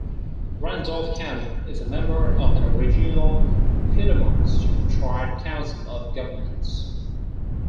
Randolph County is a member of the regional Piedmont Triad Council of Governments.